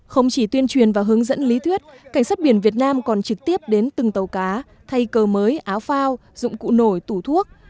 không chỉ tuyên truyền và hướng dẫn lý thuyết cảnh sát biển việt nam còn trực tiếp đến từng tàu cá thay cơ mới áo phao dụng cụ nổi tủ thuốc